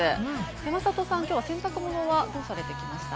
山里さん、きょうは洗濯物はどうされてきました？